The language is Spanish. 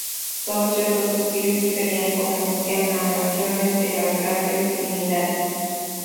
Todos estos espíritus serían como emanaciones de las grandes divinidades.